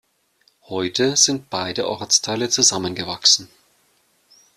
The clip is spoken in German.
Heute sind beide Ortsteile zusammengewachsen.